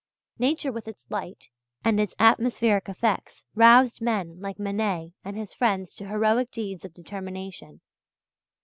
Nature with its light and its atmospheric effects roused men like Manet and his friends to heroic deeds of determination.